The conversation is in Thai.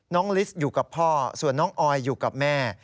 ลิสอยู่กับพ่อส่วนน้องออยอยู่กับแม่